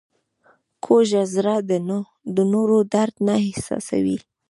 کوږ زړه د نورو درد نه احساسوي